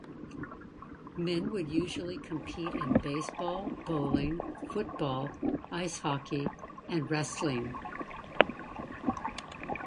Men would usually compete in baseball, bowling, football, ice hockey, and wrestling.